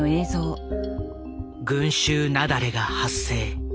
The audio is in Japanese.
群集雪崩が発生。